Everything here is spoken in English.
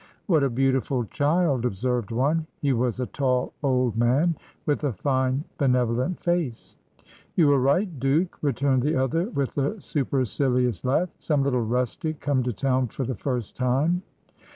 "What a beautiful child!" observed one; he was a tall, old man, with a fine, benevolent face. "You are right, Duke," returned the other, with a supercilious laugh. "Some little rustic come to town for the first time."